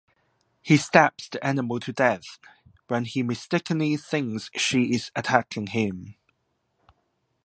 He stabs the animal to death when he mistakenly thinks she is attacking him.